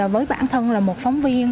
với bản thân là một phóng viên